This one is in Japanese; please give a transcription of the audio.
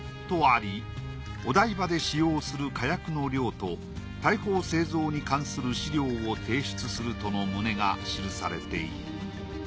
とありお台場で使用する火薬の量と大砲製造に関する資料を提出するとの旨が記されている。